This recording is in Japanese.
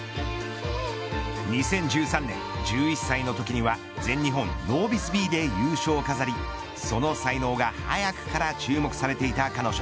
２０１３年、１１歳のときには全日本ノービスＢで優勝を飾りその才能が早くから注目されていた彼女。